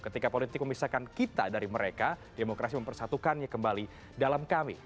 ketika politik memisahkan kita dari mereka demokrasi mempersatukannya kembali dalam kami